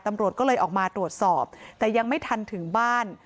ตำรวจก็เลยออกมาตรวจสอบแต่ยังไม่ทันถึงบ้าน